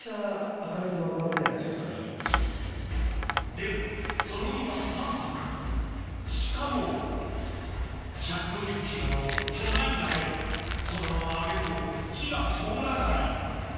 でもその身は淡泊しかも１５０ｋｇの巨大ザメそのまま揚げても火が通らない